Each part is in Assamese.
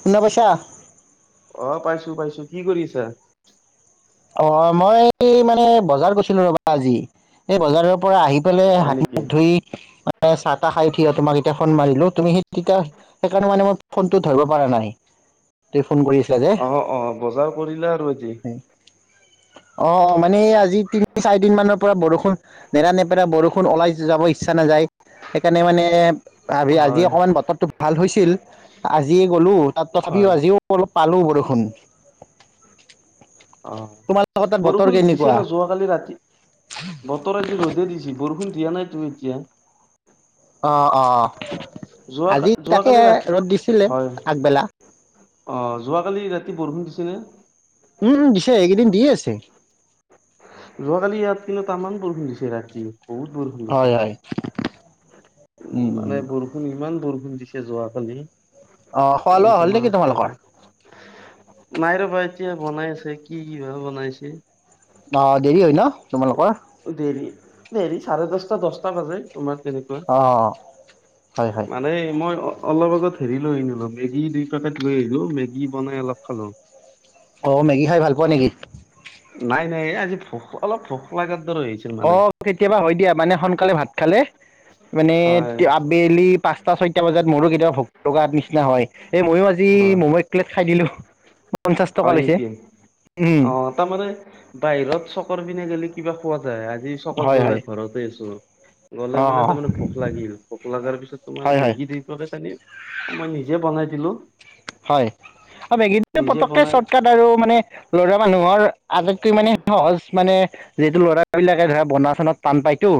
শুনা পাইছা। অ', পাইছোঁ, পাইছোঁ কি কৰি আছা। অ', মই মানে বজাৰ গৈছিলো ৰ'বা আজি এই বজাৰৰ পৰা আহি লে হয় হাত নেকি মখ ধুই মানে চাহ তাহ খাই থৈ তোমাক এতিয়া ফোন মাৰিলোঁ তুমি সেই তেতিয়া সেইকাৰণে মানে মই ফোনটো ধৰিব পৰা নাই ত ফোন কৰিছ অ', অ', বজাৰ কৰিলো আৰু এটি অ', মানে আজি তিনি চাৰিদিন মানৰ পৰা বৰষুণ নেৰা নেপেৰা বৰষুণ ওলাই যাব ইচ্ছা নাযায় সেইকাৰণে মানে আজি, আজি হয় অকমান বতৰটো ভাল হৈছিল আজি গ'লো তাত হয় তথাপিও আজিও অলপ পালো বৰষুণ। তোমালোকৰ অ', তাত বতৰ বৰষুণ দিছে কেনেকুৱা? ন যোৱাকালি ৰাতি বতৰ আজি ৰ'দে দিছ বৰষুণ দিয়া নাইতো এতিয়া। অ', অ', যোৱা আজি তাকে যোৱাকালি ৰাতি ৰ'দ দিছিলে হয় আগবেলা। অ', যোৱাকালি ৰাতি বৰষুণ দিছেনে? উম, উম দিছে এইকেইদিন দিয়ে আছে। যোৱাকালি ইয়াত কিন্তু তামান বৰষুণ দিছে ৰাতি। বহুত বৰষুণ দিছে হয় হয় উম উ উম মানে বৰষুণ ইমান বৰষুণ দিছে যোৱাকালি অ', খোৱা মানে লোৱা হ'ল তোমাৰ নেকি ভাবি তোমালোকৰ? নাই ৰ'বা এতিয়া বনাই আছে কি, কি বা বনাইছে। অ', দেৰি হয় ন তোমালোকৰ। দেৰি দেৰি চাৰে দহটা দহটা বাজে তোমাৰ সেনেক। অ', অ', হয়, হয়। মানে মই অ', অলপ আগত হেৰি লৈ আনিলোঁ মেগী দুই পেকেট লৈ আহিলোঁ মেগী বনাই অলপ খালোঁ। অ', মেগী খাই ভাল পোৱা নেকি? নাই, নাই আজি ভোক অলপ ভোক লাগাৰ দৰে হৈছে। অ', কেতিয়াবা হয় দিয়া মানে সোনকালে ভাত খালে মানে হয় আবেলি পাঁচ ছটা ছয়টা বজাত মোৰো কেতিয়াবা ভোক লগাৰ নিচিনা হয়। এই মইয়ো আজি হয়। মম' এক প্লেট খাই দিলোঁ পঞ্চাশ টকা হয় লৈছে নেকি উম। অ তাৰমানে বাহিৰত চকৰ পিনে গিলে কিবা খোৱা যায় আজি চকত হয় যোৱা হয় নাই ঘৰতে আছোঁ। গ'লে অ মানে তাৰমানে ভোক লাগিল ভোক লগাৰ পিছত তোমাৰ হয় হয় মেগী দি পেকেট আনি এ' মই নিজে বনাই দিলোঁ। হয় আ', মেগী পতককে বনাই শৰ্টকাট, আৰু মানে ল'ৰা মানুহৰ আটাইতকৈ মানে সহজ মানে যিহেতু ল'ৰাবিলাকে ধৰা বনা-চনাত টান পায়তো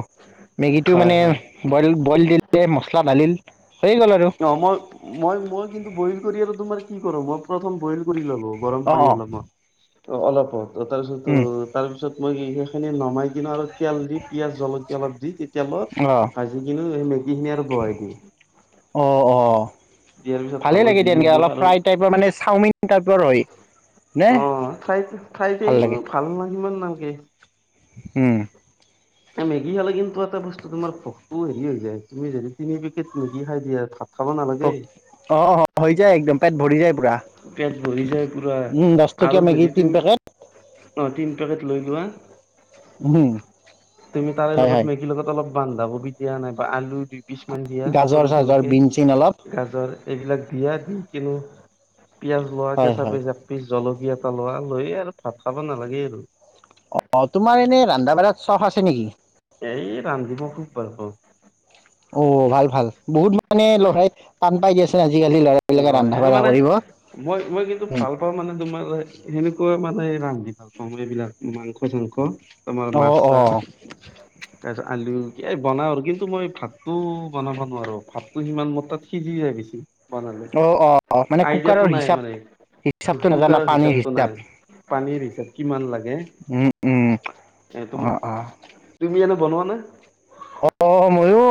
মেগীটো হয় মানে হয় বইল, বইল দিলে মচলা ঢালিল, হৈ গ'ল আৰু। অঁ মই মই মই কিন্তু বইল কৰি আৰু তোমাৰ কি কৰোঁ। মই প্ৰথম বইল কৰি ল'লোঁ। গৰম অঁ পানী অঁ অলপ অহ। অলপ অঁ তাৰপিছত উম অঁ- তাৰপিছত মই কি কৰিছোঁ কি? নমাই কিনা আৰু তেল দি পিয়াজ জলকীয়া অলপ দি তি- তেলত অঁ ভাজিকিনি এই মেগীখিনি আৰু বহাই দিওঁ। অহ অহ। দিয়াৰ পিছত ভালে লাগে হালধি দিয়া, এনকে নিমখ অলপ আৰু ফ্ৰাই টাইপৰ মানে, চাওমিন টাইপৰ হয়। নে অহ, ফ্ৰাই, ফ্ৰাই টাই, ভাল না, সিমান নালাগে। উমঁ। এই মেগী খালে কিন্তু এটা বস্তু, তোমাৰ ভোকটো হেৰি হৈ যায়। তুমি যদি তিনি পেকেট মেগী খাই দিয়া, থা- পক, অহ হৈ যায় একদম। পেট ভৰি যায়। পুৰা পেট ভৰি যায় পুৰা। উম দহ টকীয়া আৰু মেগী যদি তিনি তুমি- পেকেট অঁ, তিন পেকেট লৈ লোৱা, উম তুমি তাৰে হয় লগত, হয় মেগী লগত অলপ- বন্ধাকবি দিয়া নাইব আলু দুই পিছমান দিয়া গাজৰ চাজৰ সৰু-সৰুকে, বিন চিন অলপ গাজৰ। এইবিলাক দিয়া দি কেনে- পিয়াজ লোৱা, হয় কেঁচা হয় পিছ একপিছ জলকীয়া এটা লোৱা, লৈয়ে আৰু ভাত খাব নালাগে আৰু। অহ, তোমাৰ এনে ৰন্ধা-বঢ়াত চখ আছে নেকি? এই ৰান্ধিব খুব ভাল পাওঁ। অহ, ভাল ভাল বহুত মানে লৰাই টান পাই গেছ- তে আজিকালি ল'ৰাবিলাকে হয় ৰন্ধা-বঢ়া কৰিব। উমঁ! ত মানে তোমাৰ সে, সেনেকুৱা মানে ৰান্ধি ভাল পাওঁ মই এইবিলাক। মাংস-চাংখ তোমাৰ অ অ মাছ-চাছ। তাৰপিছত আলু, এই বনাওঁ আৰু কিন্তু মই ভাতটো বনাব নোৱাৰোঁ। ভাতটো সিমান মোৰতাত সিজি যাই বে- ছি। বনালে। অ অ অ মানে আইডিয়াটো কুকাৰৰ নাই হিচাপ মানে। হু, হিচাপটো নাজানা কুকাৰৰ পানীৰ হিচাপটো নাই। হিচাপ পানীৰ হিচাপ কিমান লাগে। উম উম এইটো অ মা- অ তুমি আৰু বনোৱা নে? হ', মইয়ো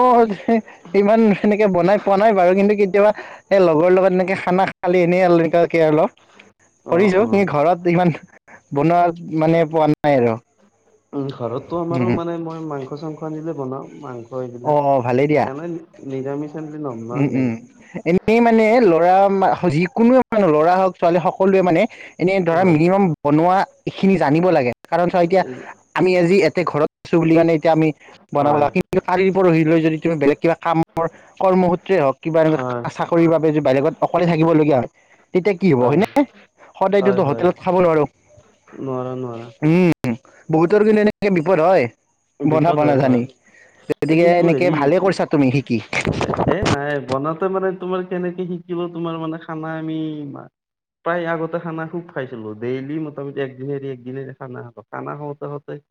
হি, সিমান সেনেকে বনাই পোৱা নাই বাৰু। কিন্তু কেতিয়াবা- এ' লগৰ লগত এনেকে খানা খালি এনে আৰু অলপ। অ কৰিছোঁ। অ কিন্তু ঘৰত ইমান বনোৱা মানে, পোৱা নাই আৰু। উমঁ ঘৰতো আমাৰো উম মানে মই মাংস-চাংস আনিলে বনাওঁ মাং- অঁ অঁ ভালে দিয়া। হম, নিৰামিষ চন- উমঁ উমঁ এন- নে মানে, ল'ৰা ম' ' হ' যিকোনোৱে মানু ল'ৰা হওক, ছোৱালী হওক সকলোৱে মানে এনে ধৰা হয়। মিনিমাম- বনোৱা খিনি জানিব লাগে। কাৰণ চোৱা এতিয়া- উম, আমি আজি এতে ঘৰত আছোঁ বুলি কাৰণে এতিয়া আমি, বনাব হয়, লাগী- কিন্তু কালি পৰহিলৈ যদি তুমি বেলেগ কিবা কামৰ কৰ্মসূত্ৰে হওক, কিবা এনেকুৱা কা হয়, কাছা- শৰীৰ বাবে যদি বেলেগত অকলে থাকিব লগীয়া হয়। তেতিয়া কি হ'ব, হয়, হয়নে? হয়, সদায়টো হয়, হোটেলত খাব নোৱাৰোঁ। নোৱাৰা, নোৱাৰা। উমঁ, বহুতৰ কিন্তু এনে বিপদ হয়। বনাব বিপদ হয়, নাজানি হয়। এই গতিকে এনেকে ভালে কৰিছা তুমি শিকি। মে, এ নাই। বনাওতে মানে তোমাৰ কেনেকে শিকিলোঁ, তোমাৰ মানে খানা আমি মা- প্ৰায় আগতে খানা খুব খাইছিলোঁ। ডেইলি মোটামটি একদিন এৰি একদে খানা খ। খানা খাওঁতে খাওঁতে-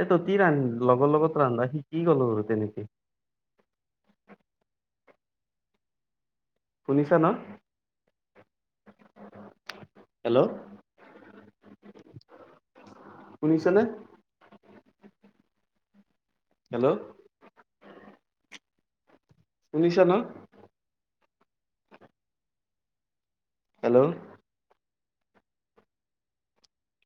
এই ত' তি ৰান, লগৰ লগত ৰান্ধা শিকি গলোঁ আৰু তেনেকে। শুনিছা ন? হেল্ল'? শুনিছা নে? হেল্ল'? শুনিছা ন? হেল্ল'?